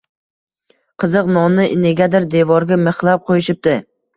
Qiziq, nonni negadir devorga mixlab qo‘yishibdi.